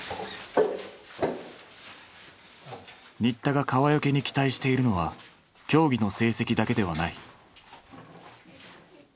新田が川除に期待しているのは競技の成績だけではない。